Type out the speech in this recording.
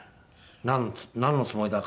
なんのつもりだか。